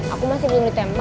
aku masih belum ditempat